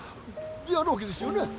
であるわけですよね？